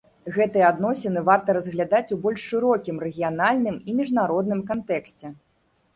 Гэтыя адносіны варта разглядаць у больш шырокім, рэгіянальным і міжнародным кантэксце.